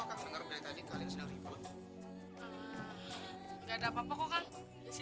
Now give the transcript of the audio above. karena uangnya dipakai